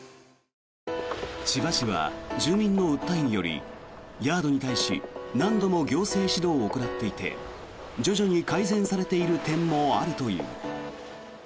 千葉市は住民の訴えによりヤードに対し何度も行政指導を行っていて徐々に改善されている点もあるという。